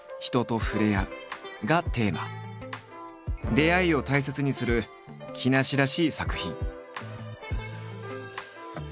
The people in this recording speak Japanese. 出会いを大切にする木梨らしい作品。